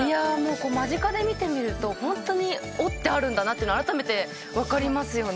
間近で見てみると本当に折ってあるんだなというのがあらためて分かりますよね。